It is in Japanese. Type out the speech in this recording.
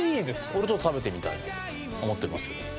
これちょっと食べてみたいなと思っておりますけど。